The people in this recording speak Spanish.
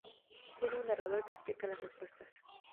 Tiene un narrador que explica las respuestas.